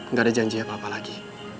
nggak ada janji apa apa lagi